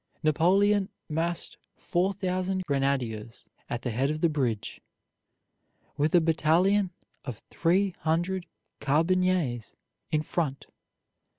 Napoleon massed four thousand grenadiers at the head of the bridge, with a battalion of three hundred carbineers in front.